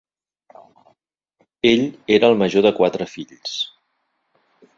Ell era el major de quatre fills.